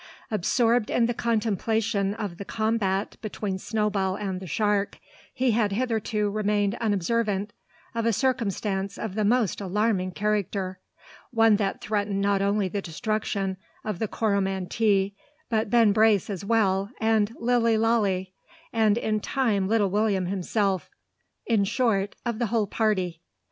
Absorbed in the contemplation of the combat between Snowball and the shark, he had hitherto remained unobservant of a circumstance of the most alarming character, one that threatened not only the destruction of the Coromantee, but Ben Brace as well, and Lilly Lalee, and in time little William himself, in short, of the whole party.